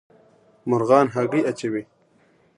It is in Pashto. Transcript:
مرغان هګۍ اچوي